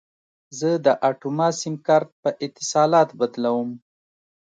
زه د اټوما سیم کارت په اتصالات بدلوم.